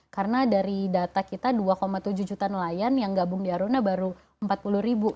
karena dari data kita dua tujuh juta nelayan yang gabung di aruna baru empat puluh ribu